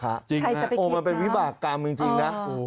ใครจะไปคิดนะโอ้มันเป็นวิบากรรมจริงนะโอ้